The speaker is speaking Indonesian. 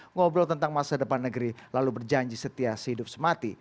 ngobrol tentang masa depan negeri lalu berjanji setia sehidup semati